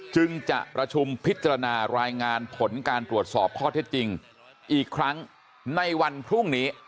จึงจะประชุมพิจารณารายงานผลการตรวจสอบข้อเท็จจริงอีกครั้งในวันพรุ่งนี้